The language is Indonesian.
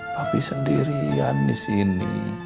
papi sendirian disini